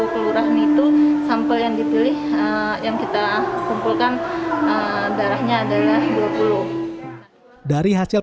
kelurahan itu sampel yang dipilih yang kita kumpulkan darahnya adalah dua puluh dari hasil